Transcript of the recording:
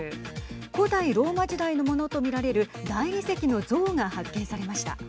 古代ローマ時代のものと見られる大理石の像が発見されました。